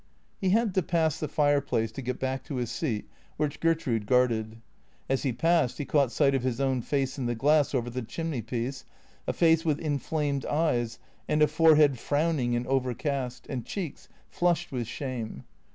He had to pass the fireplace to get back to his seat, which Gertrude guarded. As he passed he caught sight of his own face in the glass over the chimneypiece, a face with inflamed eyes and a forehead frowning and overcast, and cheeks flushed with shame.